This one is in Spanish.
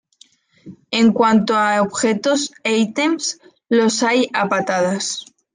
En cuanto a objetos e items, los hay a patadas.